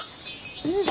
うん。